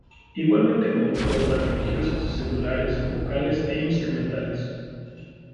Igualmente compuso obras religiosas, seculares, vocales e instrumentales.